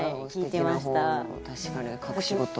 確かに隠し事。